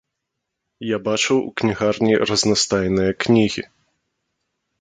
Я бачыў у кнігарні разнастайныя кнігі.